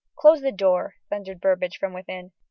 "Close the door!" thundered Burbage from within.